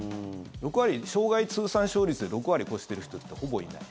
生涯通算勝率で６割超してる人ってほぼいない。